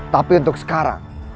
tapi untuk sekarang